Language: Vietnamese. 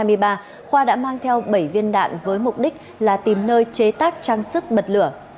vào ngày hai mươi ba tháng bốn năm hai nghìn hai mươi khoa đã mang theo bảy viên đạn với mục đích là tìm nơi chế tác trang sức mật lửa